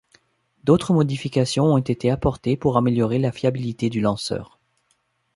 D'autres modifications ont été apportées pour améliorer la fiabilité du lanceur.